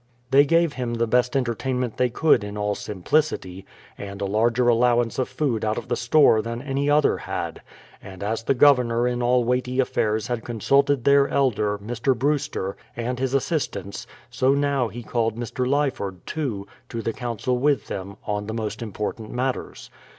They gave him the best entertainment they could in all simplicity, and a larger allowance of food out of the store than any other had; and as the Governor in all weighty affairs had consulted their elder, Mr. Brewster, and his assistants, so now he called Mr. Lyford, too, to the council with them, on the most important matters.